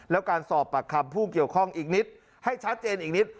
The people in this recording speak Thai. แล้วการสอบปากคำผู้เกี่ยวข้องอีกนิดให้ชัดเจนอีกนิด